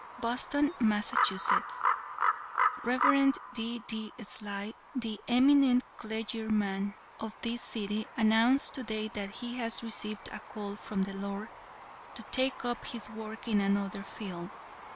"Boston, Mass.: Rev. D. D. Sly, the eminent clergyman of this city, announced today that he has received a call from the Lord to take up his work in another field.